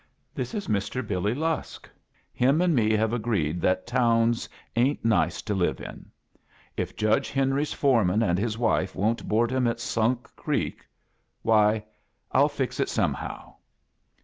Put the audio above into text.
"This is Mister Billy Lusk. Him and me have agreed that towns ain't nice to live in. If Judge Henry's foreman and his wife won't board him at Sunk Creek — why, I'll fix it somehow."